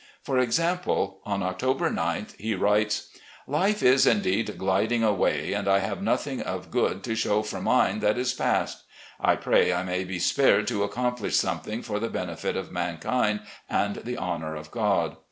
For example, on October 9th he writes :.. Life is indeed gliding away and I have nothing of good to show for mine that is past. I pray I may be spared to accomplish something for the benefit of mankind and the honour of God.